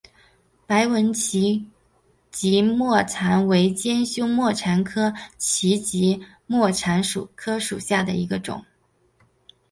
白纹歧脊沫蝉为尖胸沫蝉科歧脊沫蝉属下的一个种。